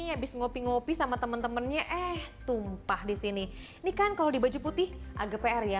habis ngopi ngopi sama temen temennya eh tumpah disini ini kan kalau di baju putih agak pr ya